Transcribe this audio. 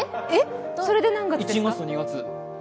１月と２月。